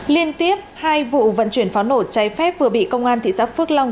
liên tiếp hai vụ vận chuyển pháo nổ cháy phép vừa bị công an thị xã phước long